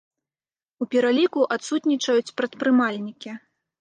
У пераліку адсутнічаюць прадпрымальнікі.